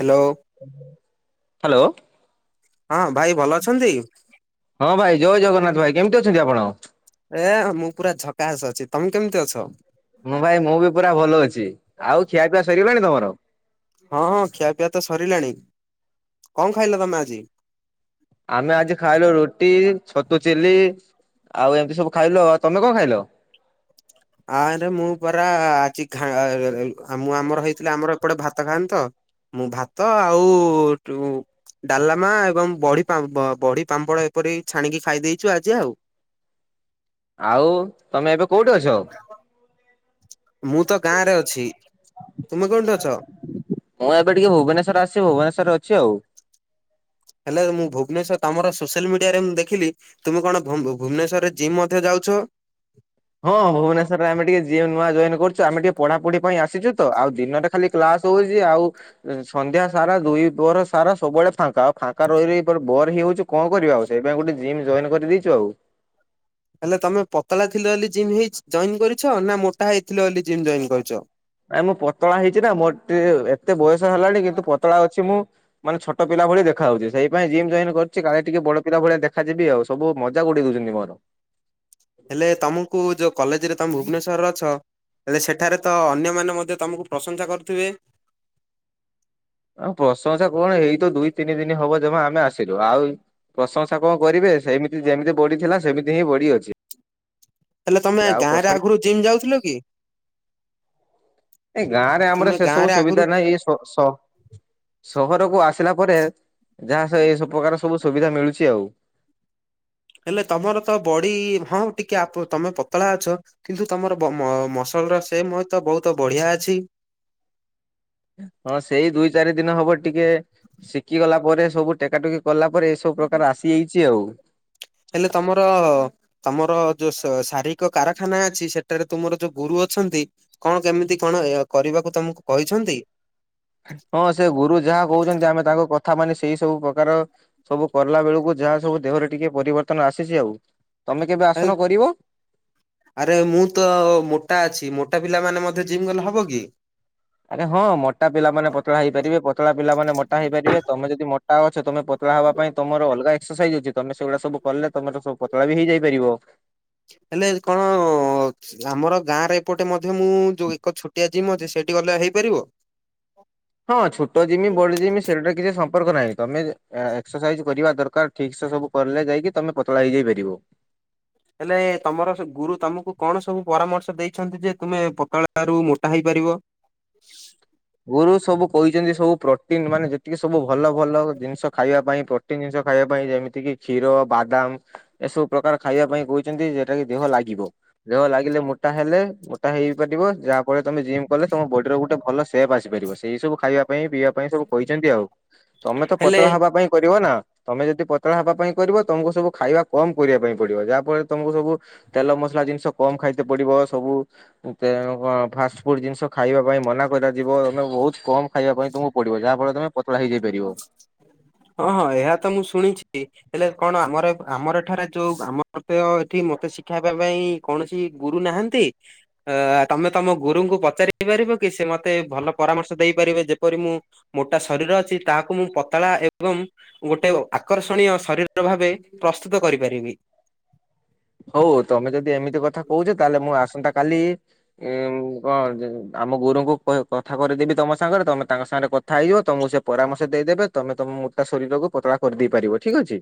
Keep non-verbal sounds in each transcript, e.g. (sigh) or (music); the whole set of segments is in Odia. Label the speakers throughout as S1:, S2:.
S1: ହ୍ୟାଲୋ।
S2: ହ୍ୟାଲୋ।
S1: ହଁ ଭାଇ ଭଲ ଅଛନ୍ତି?
S2: ହଁ ଭାଇ ଜୟ ଜଗନ୍ନାଥ ଭାଇ କେମିତି ଅଛନ୍ତି ଆପଣ?
S1: ଏ ମୁଁ ପୁରା ଝକାସ ଅଛି ତମେ କେମିତି ଅଛ?
S2: ମୁଁ ଭାଇ ମୁଁ ବି ପୁରା ଭଲ ଅଛି ଆଉ ଖିଆ ପିଆ ସରିଗଲାଣି ତମର?
S1: ହଁ ହଁ ଖିଆ ପିଆ ତ ସରିଲାଣି କଣ ଖାଇଲ ତମେ ଆଜି?
S2: ଆମେ ଆଜି ଖାଇଲୁ ରୁଟି ଛତୁ ଚିଲି ଆଉ ଏମିତି ସବୁ ଖାଇଲ ତମେ କଣ ଖାଇଲ?
S1: ଆରେ ମୁଁ ପରା ଆଜି ଖା ଏ ମୁଁ ଆମର ହେଇଥିଲା ଆମର ଏପଟେ ଭାତ ଖାଆନ୍ତି ତ। ମୁଁ ଭାତ ଆଉ ଟୁ ଡ଼ାଲମା ଏବଂ ବଡ଼ି ପାମ୍ପ ବ ବଡି ପାମ୍ପଡ଼ ଏପରି ଛାଣିକି ଖାଇ ଦେଇେଇଛୁ ଆଜି ଆଉ।
S2: ଆଉ ତମେ ଏବେ କୋଉଠି ଅଛ?
S1: ମୁଁ ତ ଗାଁ ରେ ଅଛି ତୁମେ କୋଉଁଠି ଅଛ?
S2: ମୁଁ ଏବେ ଟିକେ ଭୁବନେଶ୍ୱର ଆସିିଛି ଭୁବନେଶ୍ୱରରେ ଅଛି ଆଉ।
S1: ହେଲେ ମୁଁ ଭୁବନେଶ୍ୱର ତମର ସୋସିଆଲ ମିଡ଼ିଆରେ ମୁଁ ଦେଖିଲି ତୁମେ କଣ ଭୁ ଭୁବନେଶ୍ଵରରେ ଜିମ୍ ମଧ୍ୟ ଯାଉଛ।
S2: ହଁ ଭୁବନେଶ୍ୱରରେ ଆମେ ଟିକେ ଯିମ୍ ନୂଆ ଜଏନ୍ କରୁଛୁ ଆମେ ଟିକେ ପଢ଼ା ପଢ଼ି ପାଇଁ ଆସିଛୁ ତ ଆଉ ଦିନରେ ଖାଲି କ୍ଲାସ ହଉଛି ଆଉ ସନ୍ଧ୍ୟା ସାରା ଦୁଇ ପହର ସାରା ସବୁବେଳେ ଫାଙ୍କା ଫାଙ୍କା ରହି ରହି ବୋର୍ ହେଇଯାଉଚୁ। କଣ କରିବା ଆଉ ସେଇଥି ପାଇଁ ଗୋଟେ ଜିମ୍ ଜଏନ୍ କରିଦେଇଛୁ ଆଉ।
S1: ହେଲେ ତମେ ପତଳା ଥିଲ ବୋଲି ଜିମ୍ ହେଇ ଜଏନ କରିଛ? ନା ମୋଟା ହେଇଥିଲ ବୋଲି ଜିମ୍ ଜଏନ କରିଛ?
S2: ଆ ମୁଁ ପତଳା ହେଇଛି ନା ମୋର ଟୁ ଏତେ ବୟସ ହେଲାଣି କିନ୍ତୁ ପତଳା ଅଛି ମୁଁ ମାନେ ଛୋଟ ପିଲା ଭଳି ଦେଖା ଯାଉଛି ସେଇ ପାଇଁ ଜିମ୍ ଜଏନ୍ କରିଛି କାଳେ ଟିକେ ବଡ଼ ପିଲା ଭଳିଆ ଦେଖା ଯିବି ଆଉ। ସବୁ ମଜାକ ଉଡ଼େଇ ଦଉଛନ୍ତି ମୋର।
S1: ହେଲେ ତମକୁ ଯୋଉ କଲେଜ ରେ ତମ ଭୁବନେଶ୍ୱରରେ ଅଛ ହେଲେ ସେଠାରେ ତ ଅନ୍ୟମାନେ ମଧ୍ୟ ତମକୁ ପ୍ରଶଂସା କରୁଥିବେ।
S2: ଆ ପ୍ରଶଂସା କଣ ଏଇତ ଦୁଇ ତିନି ଦିନ ହବ ଜମା ଆମେ ଆସିଲୁ ଆଉ ପ୍ରଶଂସା କଣ କରିବେ ସେମିତି ଯେମିତି ବଡି ଥିଲା ସେମିତି ହିଁ ବଡି ଅଛି।
S1: ହେଲେ ତମେ
S2: ଆଉ
S1: ଗାଁ
S2: ପ୍ରଶ
S1: ରେ ଆଗରୁ ଜିମ୍ ଯାଉଥିଲ କି?
S2: ଏ ଗାଁ ରେ ଆମର
S1: ତୁମେ
S2: ସେ ସବୁ
S1: ଗାଁରେ ଆଗରୁ
S2: ସୁବିଧା ନାହିଁ ଏଇ ଶ୍ ସ ସହରକୁ ଆସିଲା ପରେ ଯାହା ସ ଏ ସବୁ ପ୍ରକାର ସବୁ ସୁବିଧା ମିଳୁଛି ଆଉ।
S1: ହେଲେ ତମର ତ ବଡି ହଁ ଟିକେ ଆପ୍ ତମେ ପତଳା ଅଛ। କିନ୍ତୁ ତମର ବ ମ ମସଲ ର ସେମ ହତ ବହୁତ ବଢିଆ ଅଛି।
S2: ହଁ ସେଇ ଦୁଇ ଚାରି ଦିନ ହବ ଟିକେ ଶିଖି ଗଲା ପରେ ସବୁ ଟେକା ଟେକି କଲା ପରେ ସବୁ ପ୍ରକାର ଆସିଯାଇଛି ଆଉ।
S1: ହେଲେ ତମର ତମର ଯୁ ଶୁ ଶାରୀରିକ କାରଖାନା ଅଛି ସେଠାରେ ତୁମର ଯୋଉ ଗୁରୁ ଅଛନ୍ତି କଣ କେମିତି କଣ ଏ କରିବାକୁ ତମକୁ କହିଛନ୍ତି?
S2: ହଁ ସେ ଗୁରୁ ଯାହା କହୁଛନ୍ତି ଆମେ ତାଙ୍କ କଥା ମାନେ ସେଇ ସବୁ ପ୍ରକାର ସବୁ କଲା ବେଳକୁ ଯାହା ସବୁ ଦେହରେ ଟିକେ ପରିବର୍ତ୍ତନ ଆସିଛି ଆଉ ତମେ କେବେ
S1: ହେଲେ
S2: ଆସୁନ କରିବ।
S1: ଆରେ ମୁଁ ତ ମୋଟା ଅଛି ମୋଟା ପିଲା ମାନେ ମଧ୍ୟ ଜିମ୍ ଗଲେ ହବ କି?
S2: ଆଜ୍ଞା ହଁ ମୋଟା ପିଲା ମାନେ ପତଳା ହେଇପାରିବେ ପତଳା ପିଲା ମାନେ ମୋଟ ହେଇପାରିବେ ତମେ ଯଦି ମୋ ମୋଟା ଅଛ ତମେ ପତଳା ହବା ପାଇଁ ତମର ଅଲଗା ଏକ୍ସରସାଇଜ ଅଛି ତମେ ସେଗୁଡା ସବୁ କଲେ ତମର ସବୁ ପତଳା ବି ହେଇଯାଇ ପାରିବ।
S1: ହେଲେ କଣ ଆମର ଗାଁରେ ଏପଟେ ମଧ୍ୟ ମୁଁ ଯୋଉ ଏକ ଛୋଟିଆ ଜିମ ଅଛି ସେଇଠି ଗଲେ ହେଇପାରିବ?
S2: ହଁ ଛୋଟ ଜିମି ବଡ ଜିମି ସେଇଟା କିଛି ସମ୍ପର୍କ ନାହିଁ ତମେ ଏକ୍ସରସାଇଜ କରିବା ଦରକାର। ଠିକ ସେ ସବୁ କଲେ ଯାଇକି ତମେ ପତଳା ହେଇଯାଇ ପାରିବ।
S1: ହେଲେ ତମର ଗୁରୁ ତମକୁ କଣ ସବୁ ପରାମର୍ଶ ଦେଇଛନ୍ତି ଯେ ତୁମେ ପତଳ ରୁ ମୋଟା ହେଇପାରିବ?
S2: ଗୁରୁ ସବୁ କହିଛନ୍ତି ସବୁ ପ୍ରୋଟିନ ମାନେ ଯେତିକି ସବୁ ଭଲ ଭଲ ଜିନିଷ ଖାଇବା ପାଇଁ ପ୍ରୋ ପ୍ରୋଟିନ ଜିନିଷ ଖାଇବା ପାଇଁ ଯେମିତି କି କ୍ଷୀର, ବାଦାମ ଏସବୁ ପ୍ରକାର ଖାଇବା ପାଇଁ କହୁଛନ୍ତି ଯେ ଟା ଦେହ ଲାଗିବ ଦେହ ଲାଗିଲେ ମୋଟା ହେଲେ ଟା ହେଇପାରିବ ଯାହାଫଳ ତମେ ଜିମ୍ କଲେ ତମ ବଡିର ଗୋଟେ ଭଲ ସେପ୍ ଆସିପାରିବ ସେଇ ସବୁ ଖାଇବା ପାଇଁ ପିଇବା ପାଇଁ ସବୁ କହିଛନ୍ତି ଆଉ ତମେ ତ
S1: ହେଲେ
S2: ପତଳା ହବା ପାଇଁ କରିବ ନା। ତମେ ଯଦି ପତଳା ହବା ପାଇଁ କରିବ ତମକୁ ସବୁ ଖାଇବା କମ କରିବା ପାଇଁ ପଡିବ ଯାହା ଫଳରେ ତମକୁ ସବୁ ତେଲ ମସଲା ଜିନିଷ କମ ଖାଇତେ ପଡିବ ସବୁ ତେଣୁ କଣ ଫାଷ୍ଟ ଫୁଡ ଜିନିଷ ଖାଇବା ପାଇଁ ମନା କରାଯିବ ତମେ ବହୁତ କମ ଖାଇବା ପାଇଁ ତମକୁ ପଡିବ ଯାହା ଫଳରେ ତମେ ପତଳା ହେଇଯାଇ ପାରିବ।
S1: ହଁ ହଁ ଏହା ତ ମୁଁ ଶୁଣିଛି। ହେଲେ କଣ ଆମର ଆମର ଏଠାରେ ଯୋଉ ଆମର ତ ଏଠି ମତେ ଶିକ୍ଷାଇବା ପାଇଁ କୌଣସି ଗୁରୁ ନାହାନ୍ତି ଅ ତମେ ତମ ଗୁରୁଙ୍କୁ ପଚାରି ପାରିବ କି ସେ ମ ମତେ ଭଲ ପରାମର୍ଶ ଦେଇପାରିବେ ଯେପରି ମୁଁ ମୋଟା ଶରୀର ଅଛି ତାହାକୁ ମୁଁ ପତଳା ଏ ଏବଂ ଗୋଟେ ଆକର୍ଷଣୀୟ ଶରୀର ଭାବେ ପ୍ରସ୍ତୁତ କରିପାରିବି।
S2: ହଉ ତମେ ଯଦି ଏମିତି କଥା କହୁଛ ତାହେଲେ ମୁଁ ଆସନ୍ତା କାଲି ଉଁ କଣ ଆମ ଗୁରୁଙ୍କୁ କଥା କରିଦେବି ତମ ସାଙ୍ଗରେ ତମେ ତାଙ୍କ ସାଙ୍ଗରେ କ କଥା ହେଇ ଯିବ ତମକୁ ସେ ପରାମର୍ଶ ଦେଇଦେବେ ତମେ ତମ ମୋଟା ଶରୀରକୁ ପତଳା କରିଦେଇ ପାରିବ ଠିକ ଅଛି।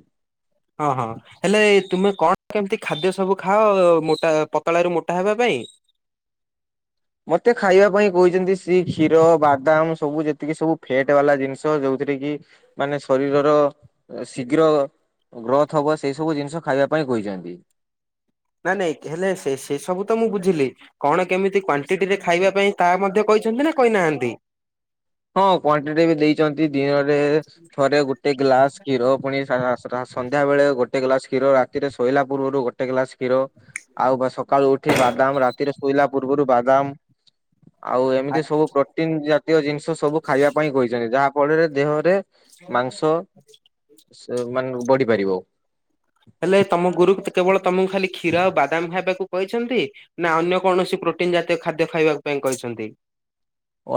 S1: ହଁ ହଁ। ହେଲେ ତୁମେ କଣ କେମିତି ଖାଦ୍ୟ ସବୁ ଖାଅ ମୋଟା ପତଳା ରୁ ମୋଟା ହେବା ପାଇଁ?
S2: ମତେ ଖାଇବା ପାଇଁ କହିଛନ୍ତି ସିଏ କ୍ଷୀର ବାଦାମ ସବୁ ଯେତିକି ସବୁ ଫେଟ ବାଲା ଜିନିଷ ଯୋଉଥିରେ କି ମାନେ ଶରୀରର ଶୀଘ୍ର ଗ୍ରୋଥ ହବ ସେଇ ସବୁ ଜିନିଷ ଖାଇବା ପାଇଁ କହିଛନ୍ତି।
S1: ନାଇଁ ନାଇଁ ହେଲେ ସେ ସେ ସବୁ ତ ମୁଁ ବୁଝିଲି। କଣ କେମିତି କ୍ଵାଣ୍ଟିଟି ରେ ଖାଇବା ପାଇଁ ତାହା ମଧ୍ୟ କହିଛନ୍ତି ନା କହିନାହାନ୍ତି?
S2: ହଁ କ୍ଵାଣ୍ଟିଟି ବି ଦେଇଛନ୍ତି ଦିନରେ ଥରେ ଗୋଟେ ଗ୍ଲାସ କ୍ଷୀର ପୁଣି ସନ୍ଧ୍ୟା ବେଳେ ଗୋଟେ ଗ୍ଲାସ କ୍ଷୀର ରାତିରେ ଶୋଇଲା ପୂର୍ବରୁ ଗୋ ଗୋଟେ ଗ୍ଲାସ କ୍ଷୀର ଆଉ ସକାଳୁ ଉଠି ବାଦାମ ରାତିରେ ଶୋଇଲା ପୂର୍ବରୁ ବାଦାମ ଆଉ
S1: ଆ
S2: ଏମିତି ସବୁ ପ୍ରୋଟିନ ଜାତୀୟ ଜିନିଷ ସବୁ ଖାଇବା ପାଇଁ କହିଛନ୍ତି ଯାହା ଫଳରେ ଦେହରେ ମାଂସ ମାନେ ବଢି ପାରିବ।
S1: ହେଲେ ତମ ଗୁରୁ କେବଳ ତମକୁ ଖାଲି କ୍ଷୀର ଆଉ ବାଦାମ ଖାଇବାକୁ କହିଛନ୍ତି। ନା ଅନ୍ୟ କୌଣସି ପ୍ରୋଟିନ ଜାତୀୟ ଖାଦ୍ୟ ଖାଇବା ପାଇଁ କହିଛନ୍ତି।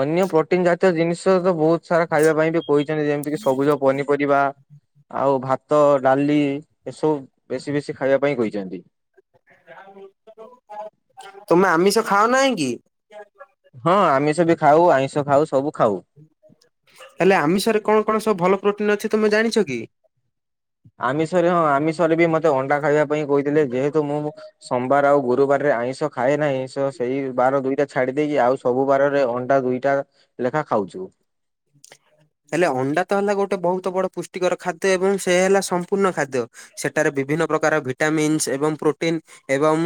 S2: ଅନ୍ୟ ପ୍ରୋଟିନ ଜାତୀୟ ଜିନିଷ ତ ବହୁତ ସାରା ଖାଇବା ପାଇଁ ବି କହିଛନ୍ତି ଯେମିତିକ ସବୁଜ ପନିପରିବା ଆଉ ଭାତ ଡାଲି ଏସବୁ ବେଶୀ ବେଶୀ ଖାଇବା ପାଇଁ କହିଛନ୍ତି।
S1: ତମେ ଆମିଷ ଖାଅ ନାହିଁ କି?
S2: ହଁ ଆମିଷ ବି ଖାଉ ଆଇଁଷ ଖାଉ ସବୁ ଖାଉ।
S1: ହେଲେ ଆମିଷରେ କଣ କଣ ସବୁ ଭଲ ପ୍ରୋଟିନ ଅଛି ତୁମେ ଜାଣିଛ କି?
S2: ଆମିଷରେ ହଁ ଆମିଷରେ ବି ମତେ ଅଣ୍ଡା ଖାଇବା ପାଇଁ କହିଥିଲେ ଯେହେତୁ ମୁଁ ସୋମବାର ଆଉ ଗୁରୁବାରରେ ଆଇଁଷ ଖାଏ ନାହିଁ ସେଇ ବାର ଦିଇଟା ଛାଡି ଦେଇକି ଆଉ ସବୁ ବାରରେ ଅଣ୍ଡା ଦୁଇଟା ଲେଖା ଖାଉଛୁ।
S1: ହେଲେ ଅଣ୍ଡା ତ ହେଲା ଗୋଟେ ବହୁତ ବଡ ପୁଷ୍ଟିକର ଖାଦ୍ୟ ଏବଂ ସେ ହେଲା ସମ୍ପୂର୍ଣ୍ଣ ଖାଦ୍ୟ। ସେଠାରେ ବିଭିନ୍ନ ପ୍ରକାର ଭିଟାମିନ୍ସ ଏବଂ ପ୍ରୋଟିନ ଏବଂ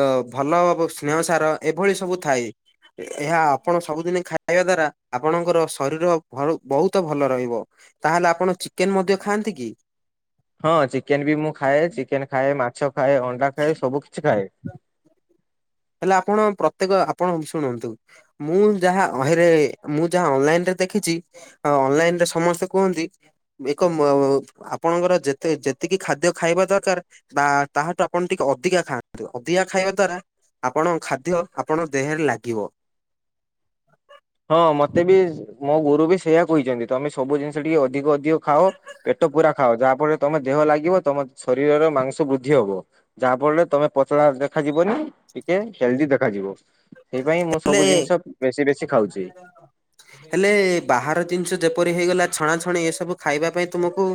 S1: ଅ ଭଲ ସ୍ନେହସାର ଏଭଳି ସବୁ ଥାଏ। ଏହା ଆପଣ ସବୁଦିନେ ଖାଇବା ଦ୍ଵାରା ଆପଣଙ୍କର ଶରୀର ଭ ବହୁତ ଭଲ ରହିବ। ତାହେଲେ ଆପଣ ଚିକେନ ମଧ୍ୟ ଖାଆନ୍ତି କି?
S2: ହଁ ଚିକେନ ବି ମୁଁ ଖାଏ ଚିକେନ ଖାଏ, ମାଛ ଖାଏ ଅଣ୍ଡା ଖାଏ, ସବୁ କିଛି ଖାଏ।
S1: ହେଲେ ଆପଣ ପ୍ରତ୍ୟେକ ଆପଣ ଶୁଣନ୍ତୁ। ମୁଁ ଯାହା ଅହିଁ ରେ ମୁଁ ଯାହା ଅନଲାଇ ରେ ଦେଖିଛି। ଆଉ ଅନଲାଇନରେ ସମସ୍ତେ କୁହନ୍ତି। ଏକ ଆପଣଙ୍କର ଯେତେ ଯେତିକି ଖାଦ୍ୟ ଖାଇବା ଦରକାର ବା ତାହାଠୁ ଆପଣ ଟିକେ ଅଧିକା ଖାଆନ୍ତୁ ଅଧିକା ଖାଇବା ଦ୍ଵାରା ଆପଣଙ୍କ ଖାଦ୍ୟ ଆପଣଙ୍କ ଦେହରେ ଲାଗିବ।
S2: ହଁ ମତେ ବି ମୋ ଗୁରୁ ବି ସେଇଆ କହିଛନ୍ତି ତମେ ସବୁ ଜିନିଷ ଟିକେ ଅଧିକ ଅଧିକ ଖାଅ। ପେଟପୁରା ଖାଅ ଯାହା ଫଳରେ ତମ ଦେହ ଲାଗିବ ତମ ଶରୀରର ମାଂସ ବୃଦ୍ଧି ହବ। ଯାହା ଫଳରେ ତମେ ପତଳା ଦେଖାଯିବନି ଟିକେ ହେଲଦି ଦେଖାଯିବ। ସେଇ ପାଇଁ ମୁଁ ସବୁ
S1: ହେଲେ
S2: ଜିନିଷ ବେଶୀ ବେଶୀ ଖାଉଛି।
S1: ହେଲେ ବାହାର ଜିନିଷ ଯେପରି ହେଇଗଲା ଛଣାଛଣି ଏସବୁ ଖାଇବା ପାଇଁ ତୁମକୁ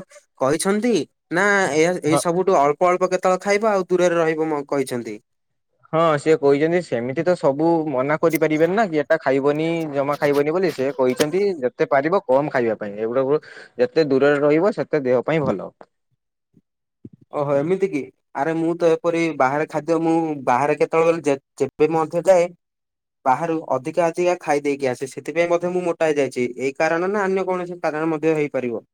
S1: କହିଛନ୍ତି? ନା ଏ
S2: ହଁ
S1: ଏଇ ସବୁଠୁ ଅଳ୍ପ ଅଳ୍ପ କେତେବେଳେ ଖାଇବ ଆଉ ଦୂରରେ ରହିବ ମ କହିଛନ୍ତି।
S2: ହଁ ସିଏ କହିଛନ୍ତି। ସେମିତି ତ ସବୁ ମନା କରିପାରିବେନି ନା କି ଏଟା ଖାଇବନି ଜମା ଖାଇବନି ବୋଲି ସେ କହିଛନ୍ତି ଯେତେ ପାରିବ। କମ ଖାଇବା ପାଇଁ ଏଗୁଡା ଯେତେ ଦୂରରେ ରହିବ ସେତେ ଦେହ ପାଇଁ ଭଲ।
S1: ଓହୋ ଏମିତି କି। ଆରେ ମୁଁ ତ ଏପରି ବାହାରେ ଖାଦ୍ୟ ମୁଁ ବାହାରେ କେତେବେଳେ ଯେ ଯେବେ ମଧ୍ୟ ଯାଏ। ବାହାରୁ ଅଧିକା ଅଧିକା ଖାଇ ଦେଇକି ଆସେ ସେଥିପାଇଁ ମଧ୍ୟ ମୁଁ ମୋଟା ହେଇଯାଇଛି ଏଇ କାରଣ ନା ଅନ୍ୟ କୌଣସି କାରଣ ମଧ୍ୟ ହେଇପାରିବ।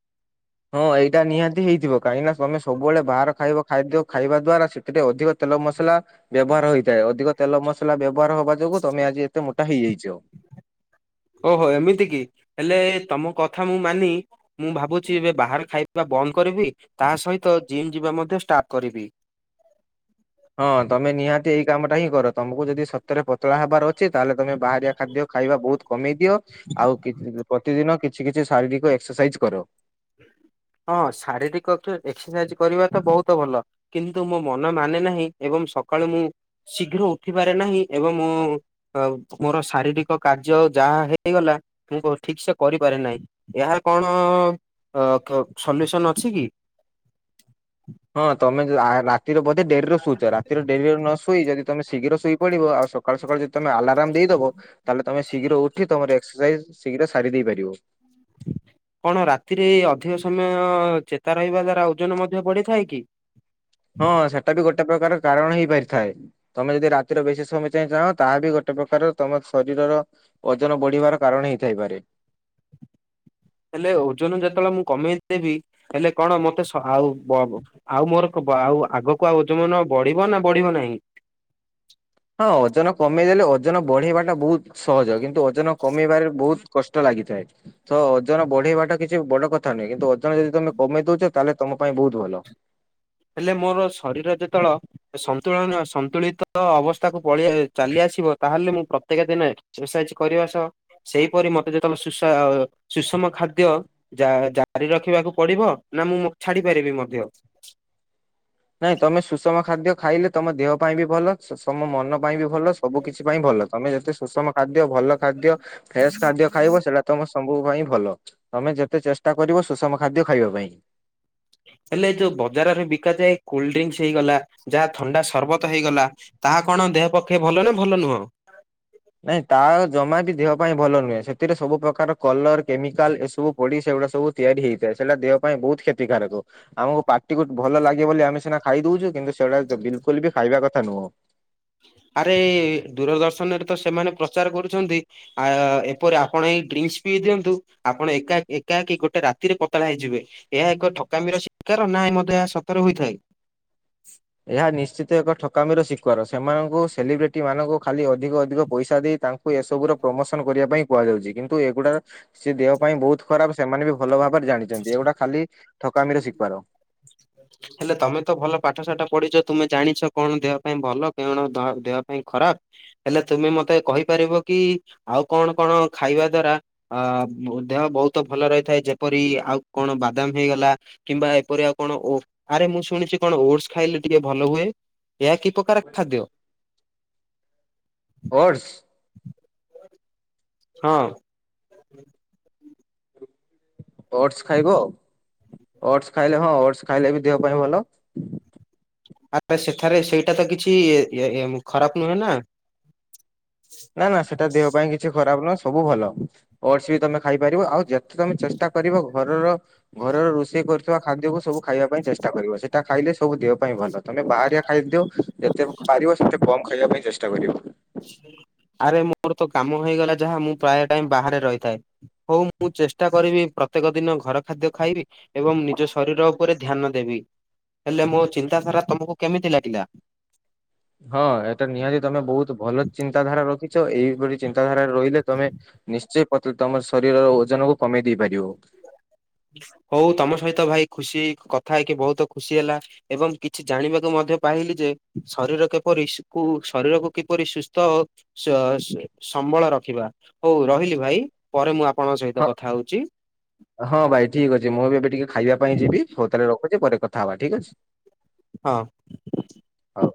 S2: ହଁ ଏଇଟା ନିହାତି ହେଇଥିବ କାହିଁକି ନା ତମେ ସବୁବେଳେ ବାହାର ଖାଇବା ଖାଦ୍ୟ ଖାଇବା ଦ୍ଵାରା ସେ ସେଠେ ଅଧିକ ତେଲ ମସଲା ବ୍ୟବହାର ହେଇଥାଏ। ଅଧିକ ତେଲ ମସଲା ବ୍ୟବହାର ହବା ଯୋଗୁ ତମେ ଆଜି ଏତେ ମୋଟା ହେଇଯାଇଛ।
S1: ଓହୋ, ଏମିତି କି ହେଲେ ତମ କଥା ମୁଁ ମାନି ମୁଁ ଭାବୁଛି ଏବେ ବାହାରେ ଖାଇବା ବନ୍ଦ କରିବି। ତା ସହିତ ଜିମ୍ ଯିବା ମଧ୍ୟ ଷ୍ଟାର୍ଟ କରିବି।
S2: ହଁ ତମେ ନିହାତି ଏଇ କାମଟା ହିଁ କର ତମକୁ ଯଦି ସତରେ ପତଳା ହବାର ଅଛି ତାହେଲେ ତମେ ବାହାରିଆ ଖାଦ୍ୟ ଖାଇବା ବହୁତ। କମେଇ ଦିଅ ଆଉ ପ୍ରତିଦିନ କିଛି କିଛି ଶାରୀରିକ ଏକ୍ସରସାଇଜ କର।
S1: ହଁ ଶାରୀରିକ ଏକ୍ସରସାଇଜ କରିବା ତ ବହୁତ ଭଲ। କିନ୍ତୁ ମୋ ମନ ମାନେ ନାହିଁ ଏବଂ ସକାଳୁ ମୁଁ ଶୀଘ୍ର ଉଠିପାରେ ନାହିଁ ଏବଂ ମୁଁ ଆଉ ମୋର ଶାରୀରିକ କାର୍ଯ୍ୟ ଯାହା ହେଇଗଲା ମୁଁ ଠିକ ସେ କରିପାରେ ନାହିଁ। ଏହାର କଣ ସଲ୍ୟୁସନ ଅଛି କି?
S2: ହଁ ତମେ ରାତିରେ ବୋଧେ ଡେରରେ ଶୁଛ? ଡେରିରେ ନ ଶୋଇ ଯଦି ତମେ ଶୀଘ୍ର ଶୋଇ ପଡିବ ଆଉ ସକାଳ ସକାଳୁ ଯଦି ତମେ ଆଲାରାମ ଦେଇଦବ। ତାହେଲେ ତମେ ଶୀଘ୍ର ଉଠି ତମର ଏକ୍ସରସାଇଜ ଶୀଘ୍ର ସାରି ଦେଇ ପାରିବ।
S1: କଣ ରାତିରେ ଅଧିକ ସମୟ ଚେତା ରହିବା ଦ୍ଵାରା ଓଜନ ମଧ୍ୟ ବଢିଥାଏ କି?
S2: ହଁ ସେଟା ବି ଗୋଟେ ପ୍ରକାର କାରଣ ହେଇପାରିଥାଏ। ତମେ ଯଦି ରାତିର ବେଶୀ ସମୟ ଯାଏଁ ଚାହଁ ତାହା ବି ଗୋଟେ ପ୍ରକାର ତମ ଶରୀରର ଓଜନ ବଢିବାର କାରଣ ହେଇଥାଇପାରେ।
S1: ହେଲେ ଓଜନ ଯେତେବେଳେ ମୁଁ କମେଇଦେବି ହେଲେ କଣ ମତେ ଆଉବ ଆଉ ମୋର ଆଉ ଆଗକୁ ଆଉ ଓଜମ ନ ବଢିବ ନା ବଢିବ ନାହିଁ?
S2: ହଁ ଓଜନ କମେଇଦେଲେ ଓଜନ ବଢେଇବା ଟା ବହୁତ ସହଜ କିନ୍ତୁ ଓଜନ କମେଇବାରେ ବହୁତ କଷ୍ଟ ଲାଗିଥାଏ। ତ ଓଜନ ବଢେଇବାଟା କିଛି ବଡ କଥା ନୁହେଁ। କିନ୍ତୁ ଓଜନ ଯଦି ତମେ କମେଇ ଦଉଛ ତାହେଲେ ତମ ପାଇଁ ବହୁତ ଭଲ।
S1: ହେଲେ ମୋର ଶରୀର ଯେତେବେଳ ସନ୍ତୁଳନ ସନ୍ତୁଳିତ ଅବସ୍ଥାକୁ ପଳ ଚାଲି ଆସିବ ତାହେଲେ ମୁଁ ପ୍ରତ୍ୟେକ ଦିନେ ଏକ୍ସରସାଇଜ଼ଏ କରିବା ସହ ସେଇପରି ମତେ ଯେତେ ସୁଷମ ଖାଦ୍ୟ ଯା ଜାରି ରଖିବାକୁ ପଡିବ ନା ମୁଁ ଛାଡି ପାରିବି ମଧ୍ୟ।
S2: ନାଇଁ ତମେ ସୁଷମ ଖାଦ୍ୟ ଖାଇଲେ ତମ ଦେହ ପାଇଁ ବି ଭଲ। ସୁଷମ ମନ ପାଇଁ ବି ଭଲ ସବୁ କିଛି ପାଇଁ ଭଲ ତମେ ଯେତେ ସୁଷମ ଖାଦ୍ୟ ଭଲ ଖାଦ୍ୟ ଫ୍ରେସ୍ ଖାଦ୍ୟ ଖାଇବ ସେଇଟା ତମ ସବୁ ପାଇଁ ଭଲ ତମେ ଯେତେ ଚେଷ୍ଟା କରିବ ସୁଷମ ଖାଦ୍ୟ ଖାଇବା ପାଇଁ
S1: ହେଲେ ଯୋଉ ବଜାରରେ ବିକ ଯାଏ କୋଲଡଡ୍ରିଙ୍କସ ହେଇଗଲା ଯାହା ଥଣ୍ଡା ସରବତ ହେଇଗଲା। ତାହା କଣ ଦେହ ପକ୍ଷେ ଭଲ ନା ଭଲ ନୁହଁ?
S2: ନାଇଁ ତା ଜମା ବି ଦେହ ପାଇଁ ଭଲ ନୁହେଁ ସେଥିରେ ସବୁ ପ୍ରକାର କଲର କେମିକାଲ ଏସବୁ ପଡି ସେଗୁଡା ସବୁ ତିଆରି ହେଇଥାଏ ସେଇଟା ଦେହ ପାଇଁ ବହୁତ କ୍ଷତିକାରକ ଆମକୁ ପାଟିକୁ ଭଲ ଲାଗେ ବୋଲି ଆମେ ସିନା ଖାଇଦଉଛୁ। କିନ୍ତୁ ସେଇଟା ବିଲକୁଲ ବି ଖାଇବା କଥା ନୁହଁ।
S1: ଆରେ ଦୂରଦର୍ଶନ ରେ ତ ସେମାନେ ପ୍ରଚାର କରୁଛନ୍ତି। ଆ ଏପରି ଆପଣ ଏଇ ଡ୍ରିଙ୍କସ ବିି ଦିଅନ୍ତୁ ଆପଣ ଏକା ଏକାକି ଗୋଟେ ରାତିରେ ପତଳା ହେଇଯିବେ। ଏହା ଏକ ଠକାମିର ଶିକାର ନା ମଧ୍ୟ ଏହା ସତର ହୋଇଥାଏ?
S2: ଏହା ନିଶ୍ଚିତ ଏକ ଠକାମିର ଶିକାର ସେମାନଙ୍କୁ ସେଲିବ୍ରିଟି ମାନଙ୍କୁ ଖାଲି ଅଧିକ ଅଧିକ ପଇସା ଦେଇ ତାଙ୍କୁ ଏସବୁ ର ପ୍ରମୋସନ କରିବା ପାଇଁ କୁହାଯାଉଛି କିନ୍ତୁ ଏଗୁଡା ସେ ଦେହ ପାଇଁ ବହୁତ ଖରାପ ସେମାନେ ବି ଭଲ ଭାବରେ ଜାଣିଛନ୍ତି ଏଗୁଡାକ ଖାଲି ଠକାମିର ଶିକାର।
S1: (unintelligible) ହେଲେ ତମେ ତ ଭଲ ପାଠ ସାାଠ ପଢିଛ ତୁମେ ଜାଣିଛ କଣ ଦେହ ପାଇଁ ଭଲ କଣ ଦେହ ପାଇଁ ଖରାପ। ହେଲେ ତୁମେ ମତେ କହିପାରିବ କି ଆଉ କଣ କଣ ଖାଇବା ଦ୍ଵାରା ଆ ଦେହ ବହୁତ ଭଲ ରହିଥାଏ ଯେପରି ଆଉ କଣ ବାଦାମ ହେଇଗଲା କିମ୍ବା ଏପରି ଆଉ କଣ ଓ ଆରେ ମୁଁ ଶୁଣିଛି କଣ ଓଟସ ଖାଇଲେ ଟିକେ ଭଲ ହୁଏ। ଏହା କି ପ୍ରକାର ଖାଦ୍ୟ?
S2: ଓଟସ
S1: ହଁ।
S2: ଓଟସ ଖାଇବ ଓଟ୍ସ ଖାଇଲେ ହଁ ଓଟ୍ସ ଖାଇଲେ ବି ଦେହ ପାଇଁ ଭଲ
S1: ଆ (inaudible) ସେଠାରେ ସେଇଟା ତ କିଛି ଖରାପ ନୁହେଁ ନା।
S2: ନା ନା ସେଟା ଦେହ ପାଇଁ କିଛି ଖରାପ ନୁହଁ ସବୁ ଭଲ। ଓଟସ ବି ତମେ ଖାଇପାରିବ ଆଉ ଯେତେ ତମେ ଚେଷ୍ଟା କରିବ ଘରର ଘରର ରୋଷେଇ କରୁଥିବା ଖାଦ୍ୟକୁ ସବୁ ଖାଇବା ପାଇଁ ଚେଷ୍ଟା କରିବ ସେଟା ଖାଇଲେ ସବୁ ଦେହ ପାଇଁ ଭଲ। ତମେ ବାହାରିଆ ଖାଦ୍ୟ ଯେତେ ପାରିବ ସେତେ କମ ଖାଇବା ପାଇଁ ଚେଷ୍ଟା କରିବ।
S1: ଆରେ ମୋର ତ କାମ ହେଇଗଲା ଯାହା ମୁଁ ପ୍ରାୟ ଟାଇମ ବାହାରେ ରହିଥାଏ। ହଉ ମୁଁ ଚେଷ୍ଟା କରିବି ପ୍ରତ୍ୟେକ ଦିନ ଘର ଖାଦ୍ୟ ଖାଇବି ଏବଂ ନିଜ ଶରୀର ଉପରେ ଧ୍ୟାନ ଦେବି ହେଲେ ମୋ ଚିନ୍ତାଧାରା ତମକୁ କେମିତି ଲାଗିଲା?
S2: ହଁ ଏଟା ନିହାତି ତମେ ବହୁତ ଭଲ ଚିନ୍ତାଧାରା ରଖିଛ ଏଇଭଳି ଚିନ୍ତାଧାରା ରହିଲେ ତମେ ନିଶ୍ଚୟ ତମ ଶରୀରର ଓଜନ କୁ କମେଇ ଦେଇ ପାରିବ।
S1: ହଉ ତମ ସହିତ ଭାଇ ଖୁସି କଥା ହେଇକି ବହୁତ ଖୁସି ହେଲା ଏବଂ କିଛି ଜାଣିବାକୁ ମଧ୍ୟ ପାଇଲି ଯେ ଶରୀର କିପରି କୁ ଶରୀରକୁ କିପରି ସୁସ୍ଥ ସ-ସମ୍ବଳ ରଖିବା ହଉ ରହିଲି ଭାଇ ପରେ ମୁଁ ଆପଣଙ୍କ ସହିତ
S2: ହଁ
S1: କଥା ହଉଛି।
S2: ହଁ ଭାଇ ଠିକ ଅଛି ମୁଁ ବି ଏବେ ଟିକେ ଖାଇବା ପାଇଁ ଯିବି ହଉ ତାହେଲେ ରଖୁଛି ପରେ କଥା ହବା ଠିକ୍ ଅଛି।
S1: ହଁ।
S2: ହଉ।